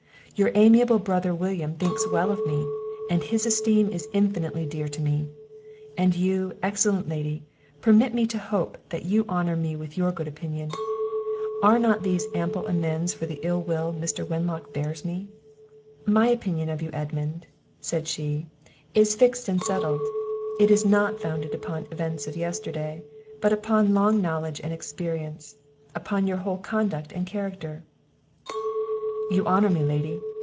Your amiable brother William thinks well of me, and his esteem is infinitely dear to me; and you, excellent Lady, permit me to hope that you honour me with your good opinion. Are not these ample amends for the ill will Mr. Wenlock bears me?" "My opinion of you, Edmund," said she, "is fixed and settled. It is not founded upon events of yesterday, but upon long knowledge and experience; upon your whole conduct and character." "You honour me, lady!